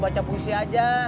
baca puisi aja